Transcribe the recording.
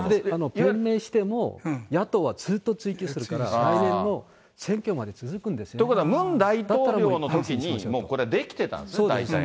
弁明しても野党はずっと追及するから、来年の追及まで続くんですね。ということはムン大統領のときに出来てたんですね、